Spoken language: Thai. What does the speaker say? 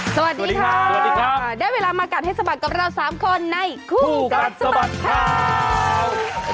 สวัสดีครับได้เวลามากัดให้สบัดกับเรา๓คนในคู่กัดสบัดข่าว